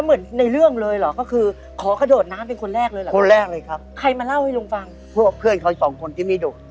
คนแรกเลยครับคนแรกเลยครับใครมาเล่าให้ลุงฟังเพราะว่าเพื่อนเขาสองคนที่ไม่ดุ